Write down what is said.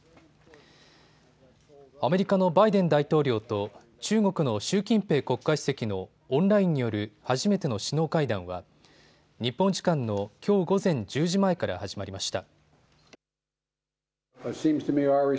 アメリカのバイデン大統領と中国の習近平国家主席のオンラインによる初めての首脳会談は日本時間のきょう午前１０時前から始まりました。